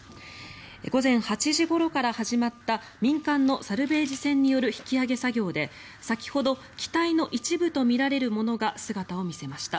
午前８時ごろから始まった民間のサルベージ船による引き揚げ作業で、先ほど機体の一部とみられるものが姿を見せました。